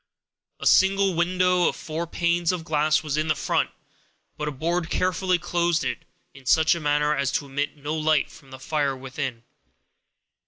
A single window of four panes of glass was in front, but a board carefully closed it, in such a manner as to emit no light from the fire within.